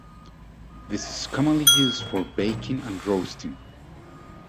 This is commonly used for baking and roasting.